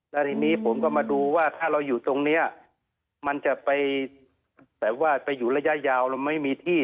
แล้วทีนี้ผมก็มาดูว่าถ้าเราอยู่ตรงนี้มันจะไปแต่ว่าไปอยู่ระยะยาวเราไม่มีที่